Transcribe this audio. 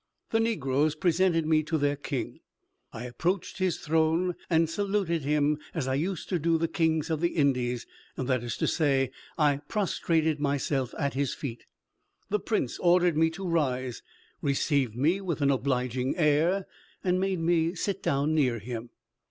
The negroes presented me to their king; I approached his throne, and saluted him as I used to do the kings of the Indies; that is to say, I prostrated myself at his feet. The prince ordered me to rise, received me with an obliging air, and made me sit down near him.